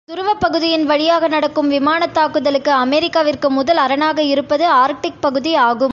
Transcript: துருவப் பகுதியின் வழியாக நடக்கும் விமானத்தாக்குதலுக்கு அமெரிக்காவிற்கு முதல் அரணாக இருப்பது ஆர்க்டிக் பகுதி ஆகும்.